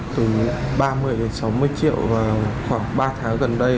từ ba mươi đến sáu mươi triệu khoảng ba tháng gần đây